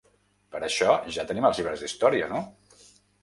Per això ja tenim els llibres d'història, no?